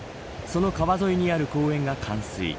その川沿いにある公園が冠水。